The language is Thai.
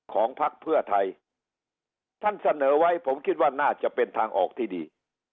พักเพื่อไทยท่านเสนอไว้ผมคิดว่าน่าจะเป็นทางออกที่ดี